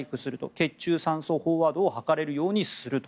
血中酸素飽和度を測れるようにすると。